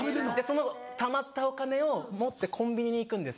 その貯まったお金を持ってコンビニに行くんです。